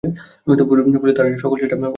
ফলে তাঁর সকল চেষ্টা অরণ্যে রোদন হয়।